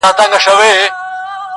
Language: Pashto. چا نذرونه خیراتونه ایښودله -